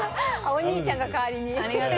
お兄ちゃんが代わりに。